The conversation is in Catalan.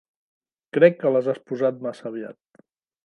Crec que les has posat massa aviat.